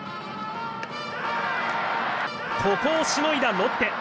ここをしのいだロッテ。